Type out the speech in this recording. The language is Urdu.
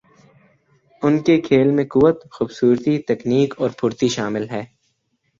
ان کے کھیل میں قوت، خوبصورتی ، تکنیک اور پھرتی شامل ہے